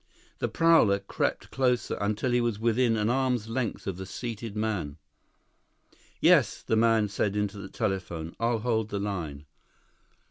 The prowler crept closer until he was within an arm's length of the seated man. "Yes," the man said into the telephone. "I'll hold the line."